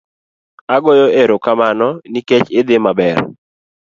agoyo aromakano nikech idhi maber